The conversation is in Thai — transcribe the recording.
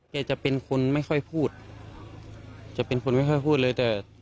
จะเป็นคนไม่ค่อยพูดจะเป็นคนไม่ค่อยพูดเลยแต่